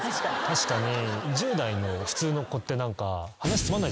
確かに。